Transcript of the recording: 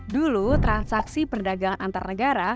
dulu transaksi perdagangan antar negara